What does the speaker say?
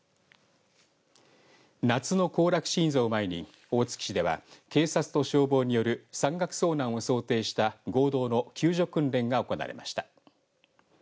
夏の行楽シーズンを前に大月市では警察と消防による山岳遭難を想定した合同の救助訓練が行われました。